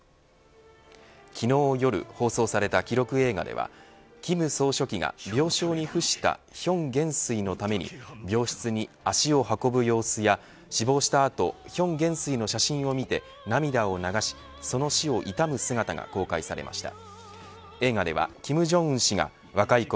昨日夜放送された記録映画では金総書記が病床に伏した玄元帥のために病室に足を運ぶ様子や死亡したあと玄元帥の写真を見て涙を流し、その死を悼む姿が公開されました。